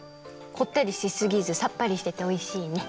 こってりしすぎずさっぱりしてておいしいね。